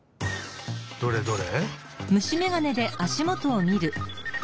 どれどれ。